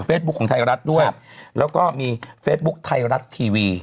กับเฟซบุ๊กของไทยรัฐด้วยครับแล้วก็มีเฟซบุ๊กไทยรัฐทีวีอ่าฮะ